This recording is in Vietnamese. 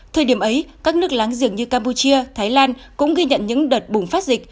thời điểm ấy các nước láng giềng như campuchia thái lan cũng ghi nhận những đợt bùng phát dịch